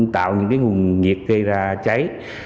tạo những nguồn nhiệt gây ra cháy